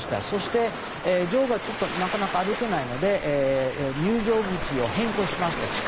そして、女王がなかなか歩けないので入場口を変更しました。